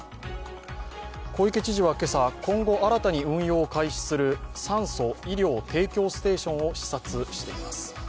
小池知事は今朝、今後新たに運用を開始する酸素・医療提供ステーションを視察しています。